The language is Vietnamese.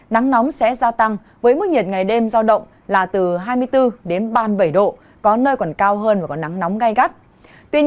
nắng nóng sẽ gia tăng với mức nhiệt ngày đêm giao động là từ hai mươi bốn đến ba mươi bảy độ có nơi còn cao hơn và có nắng nóng gai gắt